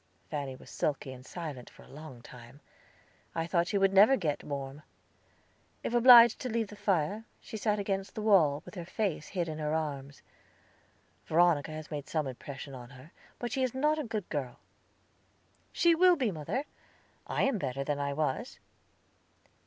Fanny was sulky and silent for a long time. I thought she never would get warm. If obliged to leave the fire, she sat against the wall, with her face hid in her arms. Veronica has made some impression on her; but she is not a good girl." "She will be, mother. I am better than I was."